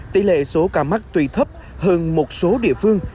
tỷ lệ số ca mắc tùy thấp hơn một số địa phương